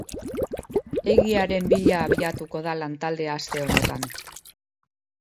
Egiaren bila abiatuko da lantaldea aste honetan.